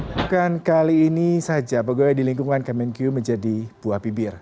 bukan kali ini saja pegawai di lingkungan kemenku menjadi buah bibir